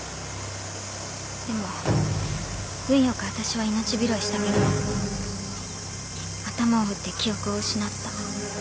でも運良く私は命拾いしたけど頭を打って記憶を失った。